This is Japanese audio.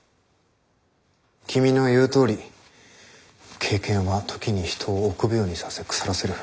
君の言うとおり経験は時に人を臆病にさせ腐らせる。